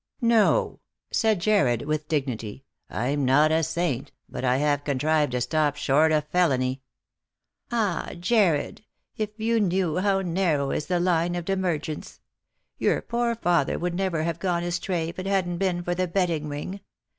"No," said Jarred with dignity; "I'm not a saint, but I have contrived to stop short of felony." " Ah, Jarred, if you knew how narrow is the line of dimer gence ! Your poor father would never have gone astray if it hadn't been for the betting ring.